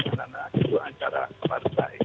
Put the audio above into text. karena itu acara partai